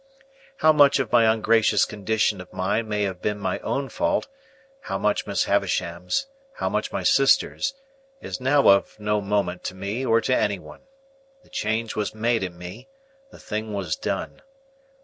How much of my ungracious condition of mind may have been my own fault, how much Miss Havisham's, how much my sister's, is now of no moment to me or to any one. The change was made in me; the thing was done.